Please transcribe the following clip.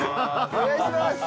お願いします！